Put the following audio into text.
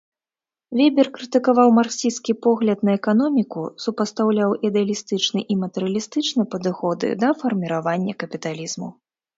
Вебер крытыкаваў марксісцкі погляд на эканоміку, супастаўляў ідэалістычны і матэрыялістычны падыходы да фарміравання капіталізму.